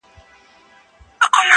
د اده سپوږمۍ د غاړي هار وچاته څه وركوي~